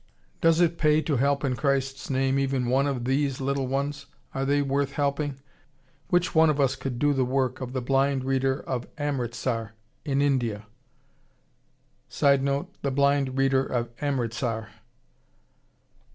Does it pay to help in Christ's name even one of these little ones? Are they worth helping? Which one of us could do the work of the blind reader of Amritsar in India? [Sidenote: The blind reader of Amritsar.